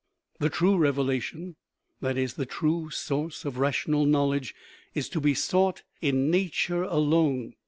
The true revelation that is, the true source of ra tional knowledge is to be sought in nature alone.